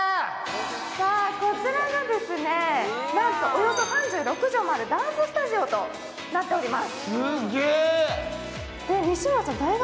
こちらがなんとおよそ３６畳もあるダンススタジオとなっております。